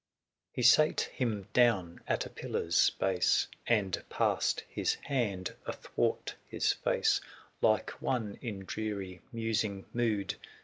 He sate him down at a pillar's base, And passed his hand athwart his face ; Like one in dreary musing mood.